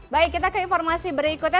baik kita ke informasi berikutnya